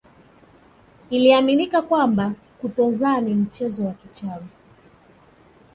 Iliaminika kwamba kutozaa ni mchezo wa kichawi